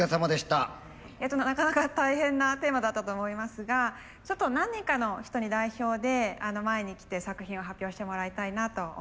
なかなか大変なテーマだったと思いますがちょっと何人かの人に代表で前に来て作品を発表してもらいたいなと思います。